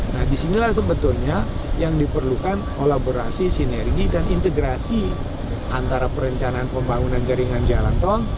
nah disinilah sebetulnya yang diperlukan kolaborasi sinergi dan integrasi antara perencanaan pembangunan jaringan jalan tol